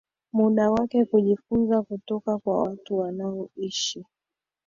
muda wake kujifunza kutoka kwa watu wanaoishi